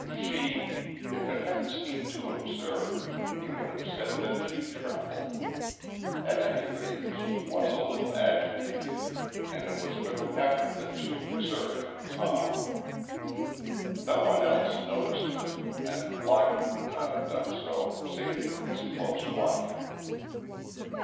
She—if it hadn't seemed too absurd,—he would have said that she trembled. At any rate she was a little agitated, and it was with an effort that she preserved her calm. No one else noticed her, and Lockwood would not have done so, save for his close watching.